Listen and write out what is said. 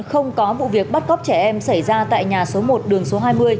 không có vụ việc bắt cóc trẻ em xảy ra tại nhà số một đường số hai mươi